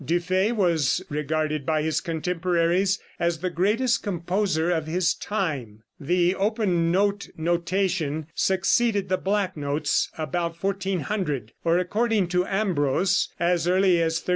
Dufay was regarded by his contemporaries as the greatest composer of his time. The open note notation succeeded the black notes about 1400, or, according to Ambros, as early as 1370.